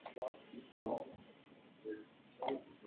En un título se adicionó una pistola de luz.